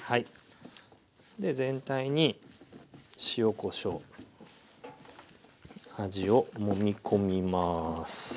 全体に塩・こしょう味をもみ込みます。